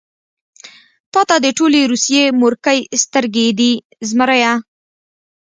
تاته د ټولې روسيې مورکۍ سترګې دي زمريه.